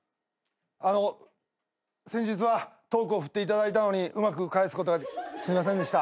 あの先日はトークを振っていただいたのにうまく返すことがすいませんでした。